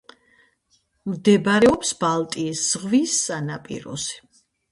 მდებარეობს ბალტიის ზღვის სანაპიროზე.